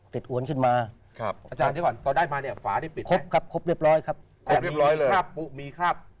ถูกต้องครับ